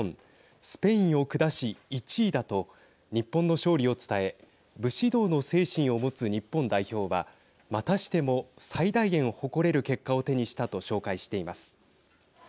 スペインを下し１位だと、日本の勝利を伝え武士道の精神を持つ日本代表はまたしても最大限誇れる結果を手にしたと紹介しています。